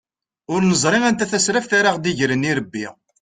Ur neẓri anta tasraft ara aɣ-d-igren irebbi.